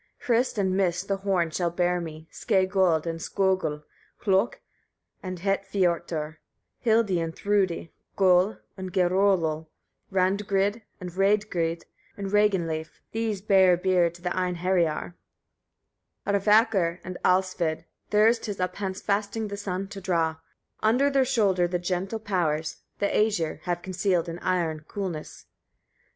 36. Hrist and Mist the horn shall bear me Skeggöld and Skögul, Hlökk and Herfiotur, Hildi and Thrûdi, Göll and Geirölul, Randgríd and Râdgrîd, and Reginleif, these bear beer to the Einheriar. 37. Arvakr and Alsvid, theirs 'tis up hence fasting the sun to draw: under their shoulder the gentle powers, the Æsir, have concealed an iron coolness.